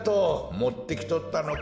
もってきとったのか。